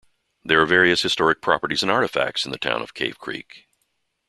There are various historic properties and artifacts in the town of Cave Creek.